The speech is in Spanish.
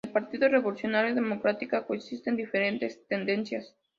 En el partido Revolución Democrática coexisten diferentes tendencias.